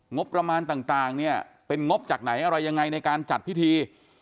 งบประมาณต่างเนี่ยเป็นงบจากไหนอะไรยังไงในการจัดพิธี